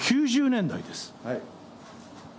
９０年代です。